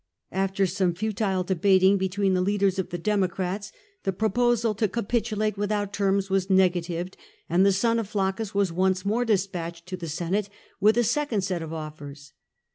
After some futile debating between the leaders of the Democrats, the proposal to capitulat6 without terms was negatived, and the son of Flaccus was once more de spatched to the Senate with a second set of offers.